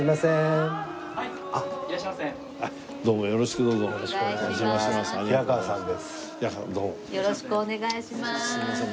よろしくお願いします。